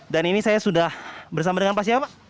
dan ini saya sudah bersama dengan pak siapa